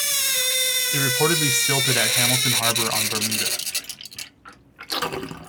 It reportedly silted at Hamilton Harbor on Bermuda.